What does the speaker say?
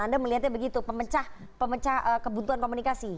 anda melihatnya begitu pemecah pemecah kebutuhan komunikasi